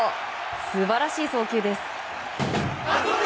素晴らしい送球です。